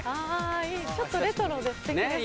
ちょっとレトロでステキですよね。